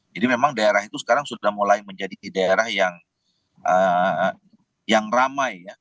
jadi memang daerah itu sekarang sudah mulai menjadi daerah yang ramai